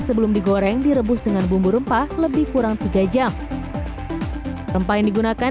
sebelum digoreng direbus dengan bumbu rempah lebih kurang tiga jam rempah yang digunakan